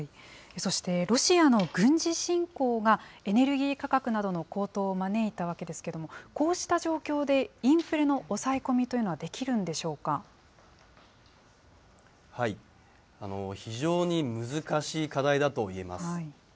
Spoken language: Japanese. そして、ロシアの軍事侵攻がエネルギー価格などの高騰を招いたわけですけれども、こうした状況でインフレの抑え込みというのはできるんで非常に難しい課題だと言えます。